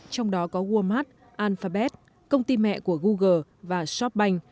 trong đó có walmart alphabet công ty mẹ của google và shopbank